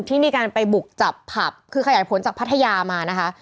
ที่มีการไปบุกจับผับคือขยายผลจากพัทยามานะคะ